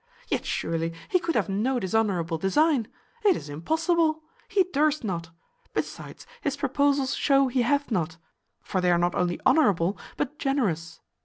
"Yet surely he could have no dishonourable design; it is impossible! he durst not: besides, his proposals shew he hath not; for they are not only honourable, but generous.